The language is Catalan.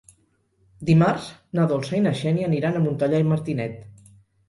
Dimarts na Dolça i na Xènia aniran a Montellà i Martinet.